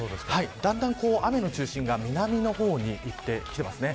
だんだん、雨の中心が南の方にいってきていますね。